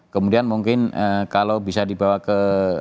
kemudian mungkin kalau bisa dibawa ke